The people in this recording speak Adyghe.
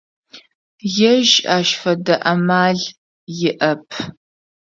Ежь ащ фэдэ амал иӏэп.